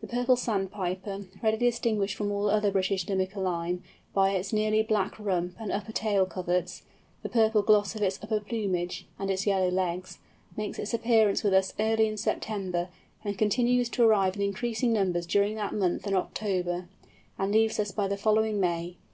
The Purple Sandpiper, readily distinguished from all other British Limicolæ by its nearly black rump and upper tail coverts, the purple gloss of its upper plumage, and its yellow legs—makes its appearance with us early in September, and continues to arrive in increasing numbers during that month and October, and leaves us by the following May.